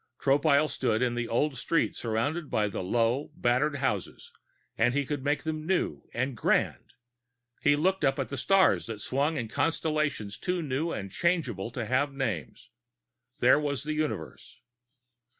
Tropile stood in the old street surrounded by the low, battered houses and he could make them new and grand! He looked up at the stars that swung in constellations too new and changeable to have names. There was the Universe.